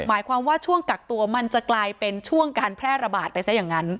หมายความว่าช่วงกักตัวมันจะกลายเป็นช่วงการแพร่ระบาดไปซะอย่างนั้น